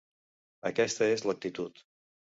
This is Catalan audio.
Aquesta és l'actitud!